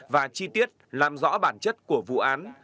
và chi tiết làm rõ bản chất của vụ án